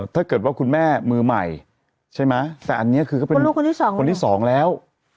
ถ้าเกิดว่าคุณแม่มือใหม่ใช่ไหมแต่อันนี้คือก็เป็นลูกคนที่สองคนที่สองแล้ว